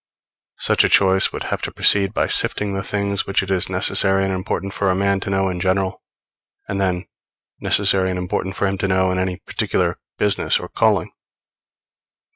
Such a choice would have to proceed by sifting the things which it is necessary and important for a man to know in general, and then, necessary and important for him to know in any particular business or calling.